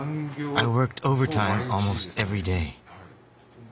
はい。